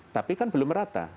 tapi kan belum rata